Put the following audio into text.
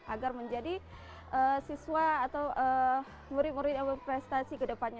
agar menjadi siswa atau murid murid prestasi kedepannya